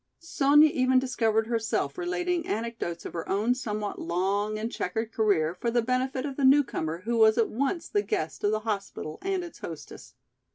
Sonya even discovered herself relating anecdotes of her own somewhat long and checkered career for the benefit of the newcomer who was at once the guest of the hospital and its hostess.